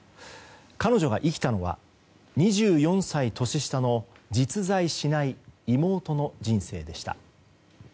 彼女が生きたのは２４歳年下の実在しない妹の人生でした。